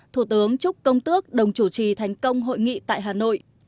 thủ tướng chúc công tước đồng chủ trì thành công hội nghị tại hà nội